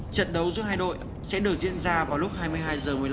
trận đấu giữa hai đội sẽ được diễn ra vào lúc hai mươi hai h một mươi năm